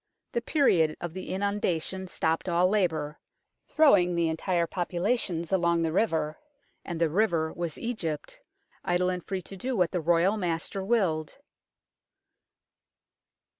The period of the inundation stopped all labour, throwing the entire populations along the river and the river was Egypt idle and free to do what the Royal master willed.